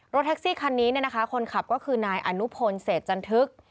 แท็กซี่คันนี้คนขับก็คือนายอนุพลเศษจันทึก